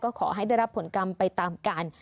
ขอให้ได้รับผลกรรมไปตามกัน